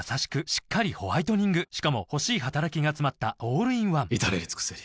しっかりホワイトニングしかも欲しい働きがつまったオールインワン至れり尽せり